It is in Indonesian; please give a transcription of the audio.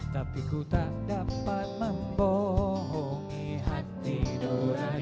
tapi ku tak dapat membohongi hati doa